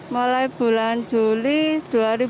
mulai bulan juli dua hari